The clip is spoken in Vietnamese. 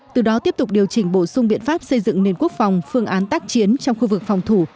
từ đó tiếp tục điều chỉnh bổ sung biện pháp xây dựng nền quốc phòng phương án tác chiến trong khu vực phòng thủ